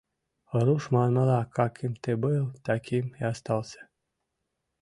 Руш манмыла, каким ты был — таким и остался...